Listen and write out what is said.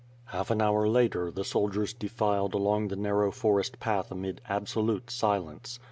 "Half an hour later, the soldiers defiled along the narrow forest path amid absolute silence.